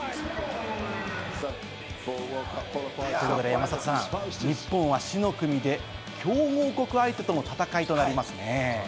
山里さん、日本は死の組で強豪国相手との戦いとなりますね。